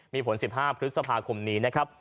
มีผล๑๕พฤษภาคมนี้นะครับ